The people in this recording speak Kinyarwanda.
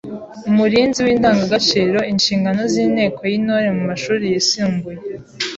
Umurinzi w’indangagaciro. Inshingano z’inteko y’Intore mu mashuri yisumbuye